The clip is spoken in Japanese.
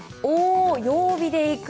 曜日でいく？